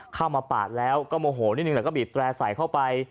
เข้ามาปากแล้วก็โมโหนิดนึงแต่ก็บีบแตรใส่เข้าไป